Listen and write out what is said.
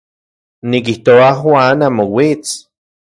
Nikijtoa Juan amo uits.